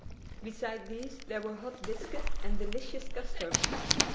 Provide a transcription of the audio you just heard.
Beside these there were hot biscuit and delicious custards.